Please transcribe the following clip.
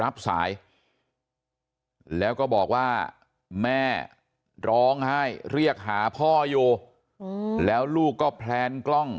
บอกว่าแม่ร้องไห้เรียกหาพ่ออยู่แล้วลูกก็แพลนกล้อง